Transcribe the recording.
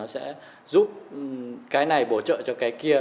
sẽ giúp cái này bổ trợ cho cái kia